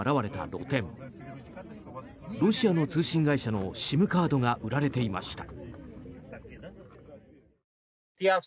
ロシアの通信会社のＳＩＭカードが売られていました。